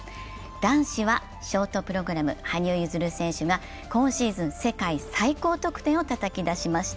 男子はショートプログラム、羽生結弦選手が今シーズン世界最高得点をたたき出しました。